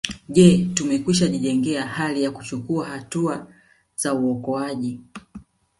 Je tumekwishajijengea hali ya kuchukua hatua za uokoaji